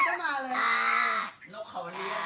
ก็จากน้ำบทงลบไปก็ได้